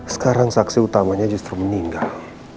sekarang saksi utamanya justru meninggal